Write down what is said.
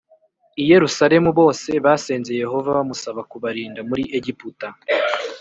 i Yerusalemu bose basenze Yehova bamusaba kubarinda muri Egiputa